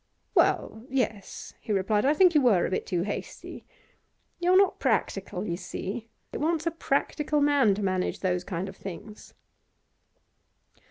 'Well, yes,' he replied, 'I think you were a bit too hasty: you're not practical, you see. It wants a practical man to manage those kind of things.